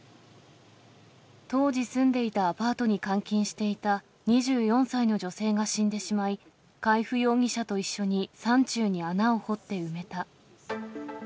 当時住んでいたアパートに監禁していた２４歳の女性が死んでしまい、海部容疑者と一緒に山中に穴を掘って埋めた。